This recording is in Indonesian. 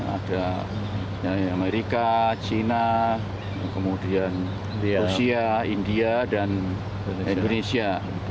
ada amerika china kemudian rusia india dan indonesia